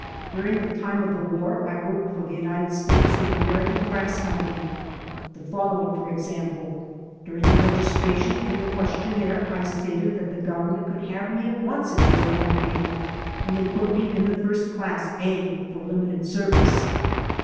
During the time of the war I worked for the United States in the American Brass Company. The following, for example: During the registration, in the ques tionnaire I stated that the Government could have me at once if they want me, and they put me in the first class A — for limited service."